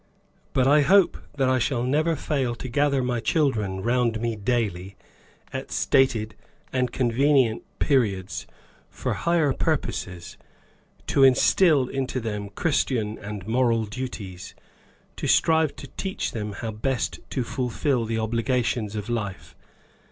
But I hope that I shall never fail to gather my children round me daily, at stated and convenient periods, for higher purposes; to instill into them Christian and moral duties; to strive to teach them how best to fulfil the obligations of life.